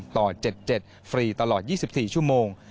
ต่อ๗๗ฟรีตลอด๒๔ชั่วโมง